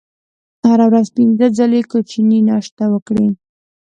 هره ورځ پنځه ځلې کوچنۍ ناشته وکړئ.